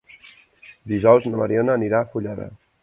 Dijous na Mariona anirà a Fulleda.